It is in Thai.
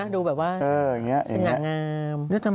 อันนี้ดีกว่า